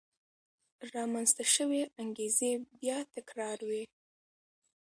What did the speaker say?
رامنځته شوې انګېزې بیا تکرار وې.